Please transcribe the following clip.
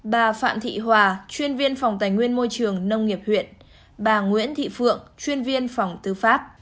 bà phạm thị hòa chuyên viên phòng tài nguyên môi trường nông nghiệp huyện bà nguyễn thị phượng chuyên viên phòng tư pháp